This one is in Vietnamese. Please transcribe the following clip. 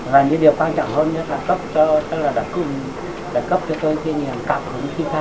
và những điều quan trọng hơn nhất là cấp cho tôi kinh nghiệm tạm hứng khi pha